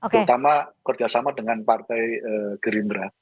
terutama kerjasama dengan partai gerindra